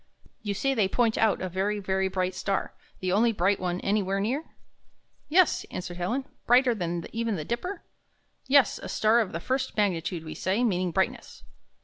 You see they point out a very, very bright star, the only bright one anywhere near?" ''Yes," answered Helen, "brighter than even the Dipper?" "Yes, a star of the first magnitude, we say, meaning brightness.